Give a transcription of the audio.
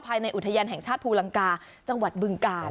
ภายในอุทยานแห่งชาติภูลังกาจังหวัดบึงกาล